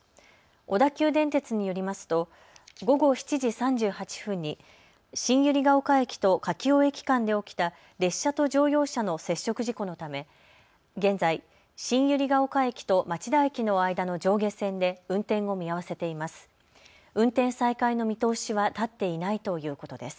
小田急電鉄によりますと午後７時３８分に新百合ヶ丘駅と柿生駅間で起きた列車と乗用車の接触事故のため、現在、新百合ヶ丘駅と町田駅の間の上下線で運転を見合わせています。